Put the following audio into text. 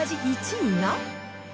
１位が。